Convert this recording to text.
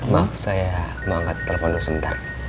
maaf saya mau angkat telepon sebentar